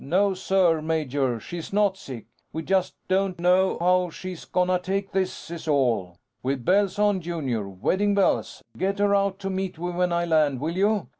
No sir, major. She's not sick. We just don't know how she's gonna take this, is all." "With bells on, Junior. Wedding bells! Get her out to meet me when I land, will you?